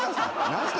何すか？